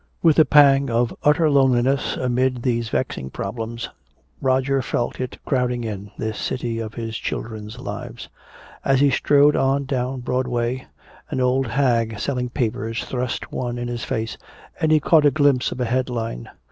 With a pang of utter loneliness amid these vexing problems, Roger felt it crowding in, this city of his children's lives. As he strode on down Broadway, an old hag selling papers thrust one in his face and he caught a glimpse of a headline.